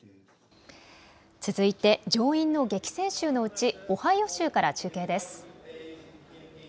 続いて上院の激戦州のうちオハイオ州から中継です。